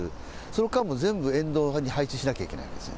その間も全部沿道に配置しなきゃいけないんです。